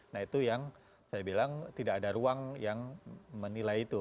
nah itu yang saya bilang tidak ada ruang yang menilai itu